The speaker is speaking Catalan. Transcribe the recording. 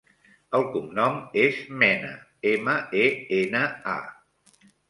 El cognom és Mena: ema, e, ena, a.